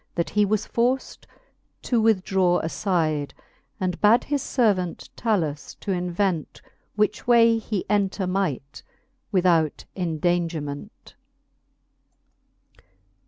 That he was forced to withdraw afide ; And bad his fervant Talus to invent Which way he enter might, without endangerment.